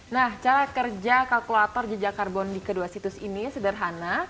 nah cara kerja kalkulator jejak karbon di kedua situs ini sederhana